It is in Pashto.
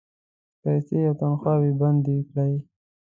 پیسې او تنخواوې بندي کړې.